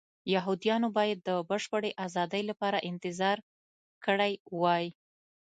یهودیانو باید د بشپړې ازادۍ لپاره انتظار کړی وای.